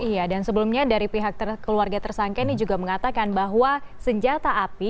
iya dan sebelumnya dari pihak keluarga tersangka ini juga mengatakan bahwa senjata api